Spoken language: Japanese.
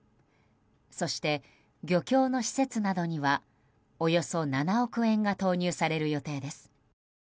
そして、漁協の施設などにはおよそ７億円が投入される予定です。